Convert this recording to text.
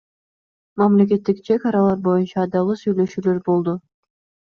Мамлекеттик чек аралар боюнча дагы сүйлөшүүлөр болду.